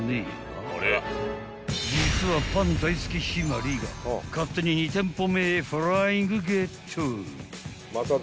［実はパン大好き陽葵が勝手に２店舗目へフライングゲット］